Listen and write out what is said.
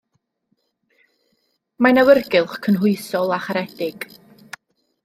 Mae'n awyrgylch cynhwysol a charedig.